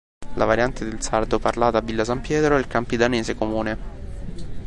La variante del sardo parlata a Villa San Pietro è il campidanese comune.